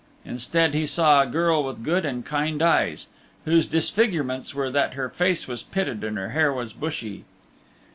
Instead he saw a girl with good and kind eyes, whose disfigurements were that her face was pitted and her hair was bushy.